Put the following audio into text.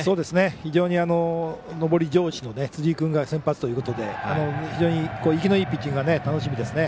非常に上り調子の辻井君が先発投手ということで生きのいいピッチングが楽しみですね。